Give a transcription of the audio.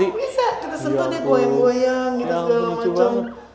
bisa kita sentuh deh goyang goyang gitu segala macam